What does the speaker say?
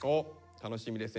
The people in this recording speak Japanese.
楽しみですね。